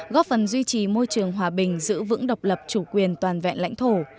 góp phần duy trì môi trường hòa bình giữ vững độc lập chủ quyền toàn vẹn lãnh thổ